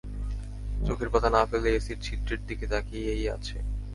চোখের পাতা না ফেলে এসির ছিদ্রের দিকে তাকিয়েই আছে!